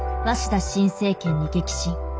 鷲田新政権に激震。